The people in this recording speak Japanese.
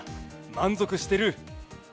満足している。